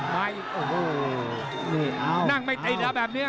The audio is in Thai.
มาอีกโอ้โหนี่นั่งไม่ติดแล้วแบบนี้